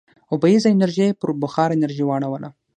اوبیزه انرژي یې پر بخار انرژۍ واړوله.